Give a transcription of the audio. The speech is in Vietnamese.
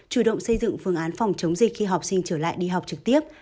chủ động xây dựng phương án phòng chống dịch khi học sinh trở lại đi học trực tiếp